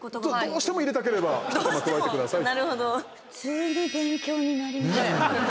どうしても入れたければひと手間、加えてくださいと。